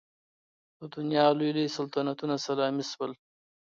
د دنیا لوی لوی سلطنتونه سلامي شول.